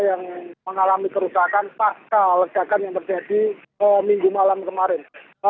yang mengalami kerusakan pasca ledakan yang terjadi minggu malam kemarin